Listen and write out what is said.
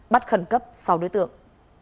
bắt khẩn cấp sáu đối tượng